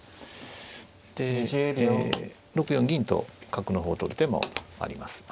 で６四銀と角の方を取る手もあります。